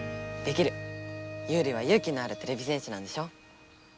ユウリは勇気のあるてれび戦士なんでしょ？